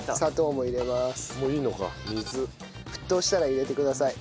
沸騰したら入れてください。